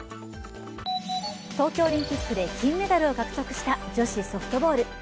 東京オリンピックで金メダルを獲得した女子ソフトボール。